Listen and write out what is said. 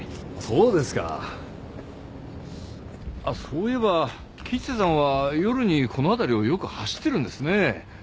あっそういえば吉瀬さんは夜にこの辺りをよく走ってるんですね。